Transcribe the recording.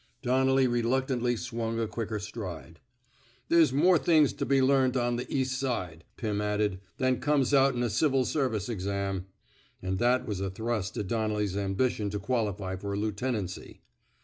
Donnelly reluctantly swung a quicker stride. There's more things to be learned on th' East Side," Pirn added, than comes out'n a civil service exam." And that was a thrust at Donnelly's ambition to qualify for a lieutenancy.